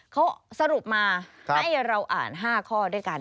เขาสรุปมาให้เราอ่าน๕ข้อด้วยกัน